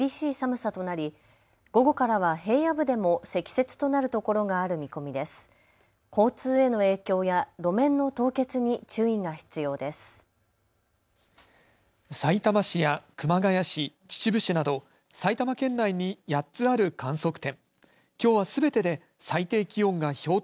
さいたま市や熊谷市、秩父市など埼玉県内に８つある観測点。